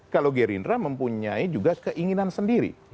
kalau gerindra mempunyai juga keinginan sendiri